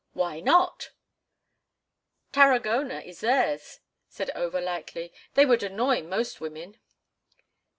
"Why not?" "Tarragona is theirs," said Over, lightly. "They would annoy most women."